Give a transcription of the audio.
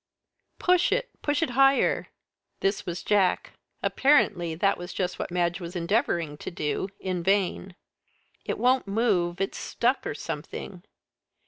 "Push it! Push it higher!" This was Jack. Apparently that was just what Madge was endeavouring to do, in vain. "It won't move. It's stuck or something."